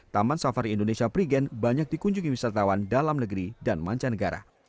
taman safari indonesia prigen banyak dikunjungi wisatawan dalam negeri dan mancanegara